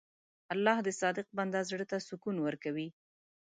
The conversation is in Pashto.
الله د صادق بنده زړه ته سکون ورکوي.